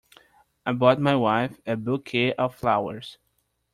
I bought my wife a Bouquet of flowers.